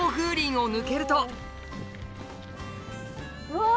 うわ！